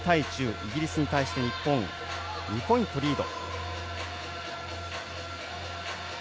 イギリスに対して日本２ポイント、リード。